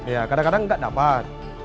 ya kadang kadang nggak dapat